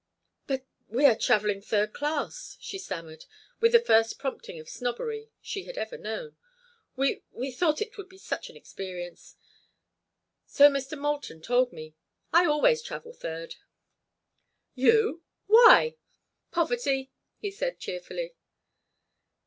"But we are travelling third class," she stammered, with the first prompting of snobbery she had ever known. "We—we thought it would be such an experience." "So Mr. Moulton told me. I always travel third." "You? Why?" "Poverty," he said, cheerfully.